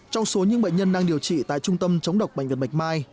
trong số những bệnh nhân đang điều trị tại trung tâm chống độc bệnh viện bạch mai